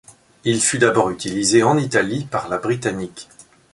Il fut d'abord utilisé en Italie par la britannique.